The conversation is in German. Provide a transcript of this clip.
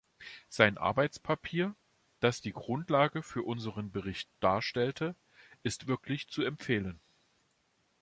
Sein Arbeitspapier, das die Grundlage für unseren Bericht darstellte, ist wirklich zu empfehlen.